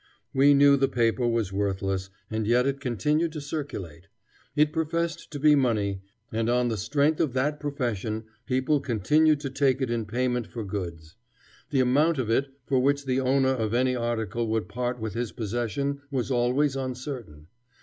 We knew the paper was worthless, and yet it continued to circulate. It professed to be money, and on the strength of that profession people continued to take it in payment for goods. The amount of it for which the owner of any article would part with his possession was always uncertain.